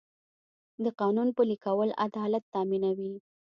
د قانون پلي کول عدالت تامینوي.